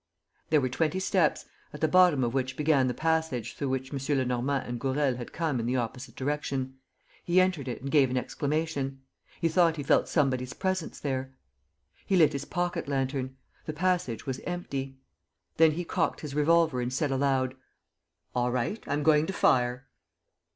There were twenty steps, at the bottom of which began the passage through which M. Lenormand and Gourel had come in the opposite direction. He entered it and gave an exclamation. He thought he felt somebody's presence there. He lit his pocket lantern. The passage was empty. Then he cocked his revolver and said aloud: "All right. ... I'm going to fire."